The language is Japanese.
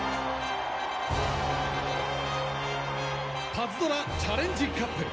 パズドラチャレンジカップ。